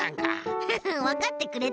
フフッわかってくれた？